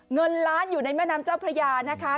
เงินล้านอยู่ในแม่น้ำเจ้าพระยานะคะ